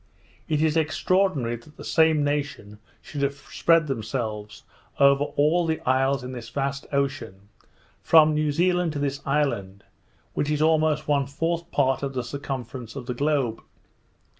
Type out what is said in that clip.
It is extraordinary that the same nation should have spread themselves over all the isles in this vast ocean, from New Zealand to this island, which is almost one fourth part of the circumference of the globe.